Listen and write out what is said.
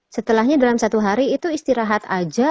setelahnya dalam satu hari itu istirahat aja